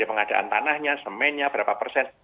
pengadaan tanahnya semennya berapa persen